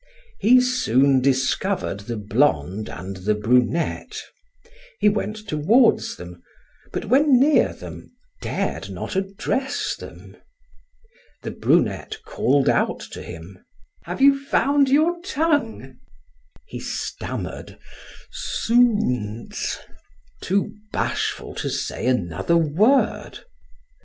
He soon discovered the blonde and the brunette. He went toward them, but when near them dared not address them. The brunette called out to him: "Have you found your tongue?" He stammered: "Zounds!" too bashful to say another word.